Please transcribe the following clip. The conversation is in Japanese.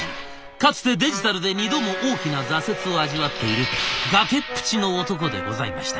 かつてデジタルで２度も大きな挫折を味わっている崖っぷちの男でございました。